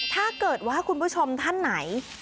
ถ้าเกิดว่าคุณผู้ชมท่านไหน